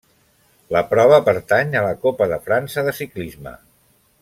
La prova pertany a la Copa de França de ciclisme.